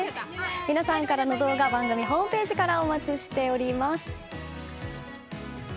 皆さんからの動画番組ホームページからお待ちしております。